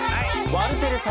ワルテレ様。